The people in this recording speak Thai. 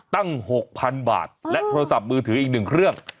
ตั้ง๖๐๐๐บาทและโทรศัพท์มือถืออีก๑เครื่อง